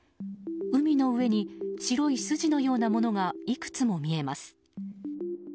海の上に白い筋のようなものがいくつも見えます。